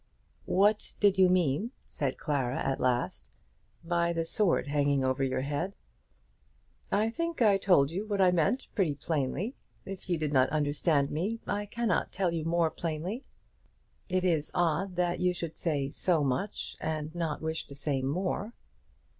"What did you mean," said Clara, at last, "by the sword hanging over your head?" "I think I told you what I meant pretty plainly. If you did not understand me I cannot tell you more plainly." "It is odd that you should say so much, and not wish to say more."